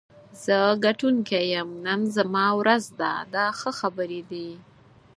زه ګټونکی یم، نن زما ورځ ده دا ښه خبرې دي.